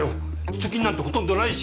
貯金なんてほとんどないし。